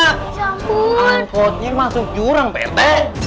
angkotnya masuk jurang pak rete